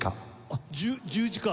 あっ十字架！